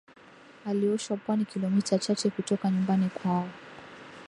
alioshwa pwani kilomita chache kutoka nyumbani kwao